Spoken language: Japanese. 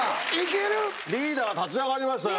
リーダーが立ち上がりましたよ。